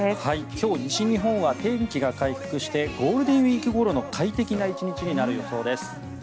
今日、西日本は天気が回復してゴールデンウィークごろの快適な１日になる予想です。